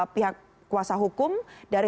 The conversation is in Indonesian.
pihak kuasa hukum dari